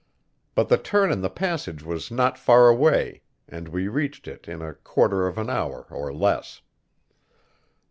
But the turn in the passage was not far away, and we reached it in a quarter of an hour or less.